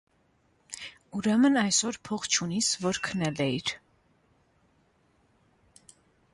- Ուրեմն այսօր փող չունիս, որ քնել էիր: